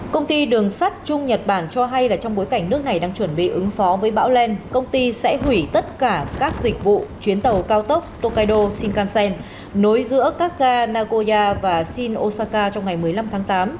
công ty đường sắt trung nhật bản cho hay là trong bối cảnh nước này đang chuẩn bị ứng phó với bão len công ty sẽ hủy tất cả các dịch vụ chuyến tàu cao tốc tokaido shinkansen nối giữa các ga nagoya và shin osaka trong ngày một mươi năm tháng tám